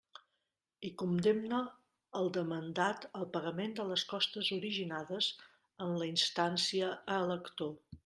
I condemne el demandat al pagament de les costes originades en la instància a l'actor.